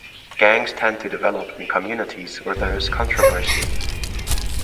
Gangs tend to develop in communities where there is controversy.